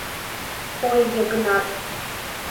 — Ой, Йыгнат!..